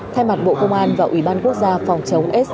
thay mặt bộ công an và ủy ban quốc gia phòng chống sd